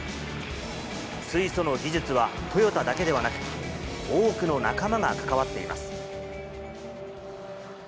水素の技術はトヨタだけではなく、多くの仲間が関わっています。